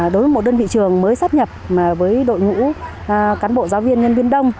đối với một đơn vị trường mới sắp nhập với đội ngũ cán bộ giáo viên nhân viên đông